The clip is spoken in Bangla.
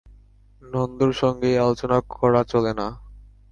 নন্দর সঙ্গে এ আলোচনা করা চলে না।